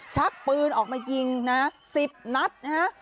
ชักปืนออกมายิงนะ๑๐นัดนะฮะ